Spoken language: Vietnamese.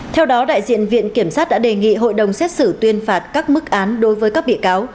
theo đó đại diện viện kiểm sát đã đề nghị hội đồng xét xử tuyên phạt các mức án đối với các bị cáo